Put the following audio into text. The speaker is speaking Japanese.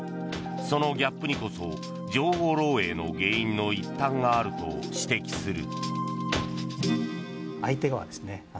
そのギャップにこそ情報漏洩の原因の一端があると指摘する。